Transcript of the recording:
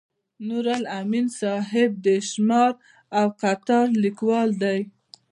نورالامین صاحب د شمار او قطار لیکوال دی.